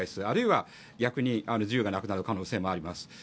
あるいは逆に自由がなくなる可能性もあります。